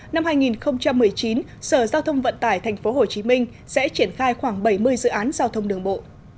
năm hai nghìn một mươi chín sở giao thông vận tải tp hcm sẽ triển khai khoảng bảy mươi dự án giao thông đường bộ